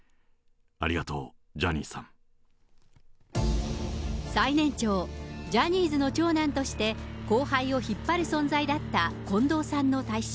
ありがとう、最年長、ジャニーズの長男として、後輩を引っ張る存在だった近藤さんの退所。